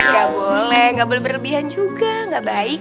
gak boleh nggak boleh berlebihan juga gak baik